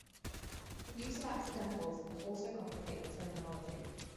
The use of accidentals can also complicate the terminology.